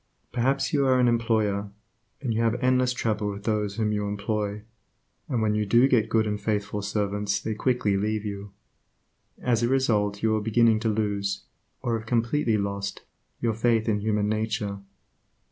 Perhaps you are an employer, and you have endless trouble with those whom you employ, and when you do get good and faithful servants they quickly leave you. As a result you are beginning to lose, or have completely lost, your faith in human nature.